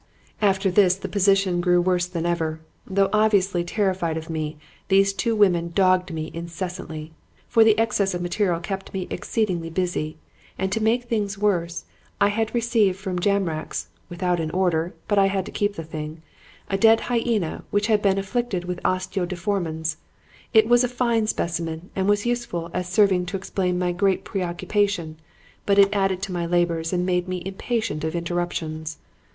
"After this the position grew worse than ever. Though obviously terrified of me, these two women dogged me incessantly. It was most inconvenient, for the excess of material kept me exceedingly busy; and to make things worse, I had received from Jamrach's (without an order but I had to keep the thing) a dead hyena which had been affected with osteitis deformans. It was a fine specimen and was useful as serving to explain my great preoccupation; but it added to my labors and made me impatient of interruptions.